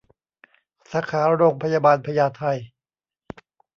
สาขาโรงพยาบาลพญาไท